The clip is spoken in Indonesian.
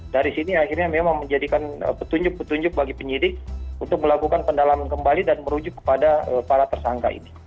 dari sini akhirnya memang menjadikan petunjuk petunjuk bagi penyidik untuk melakukan pendalaman kembali dan merujuk kepada para tersangka ini